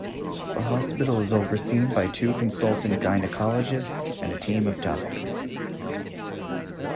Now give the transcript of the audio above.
The hospital is overseen by two consultant gynaecologists and a team of doctors.